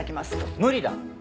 無理だ！